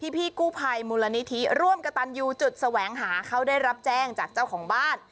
พี่กู้ภัยมูลนิธิร่วมกระตันยูจุดแสวงหาเขาได้รับแจ้งจากเจ้าของบ้าน